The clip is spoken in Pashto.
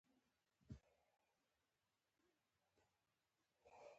د مخکېني جمهوري نظام پر مهال